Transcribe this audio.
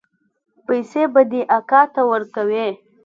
پيسې به دې اکا ته ورکوې.